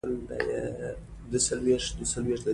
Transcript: چې دوي مې دلته راوستي.